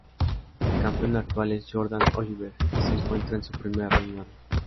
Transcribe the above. El campeón actual es Jordan Oliver, que se encuentra en su primer reinado.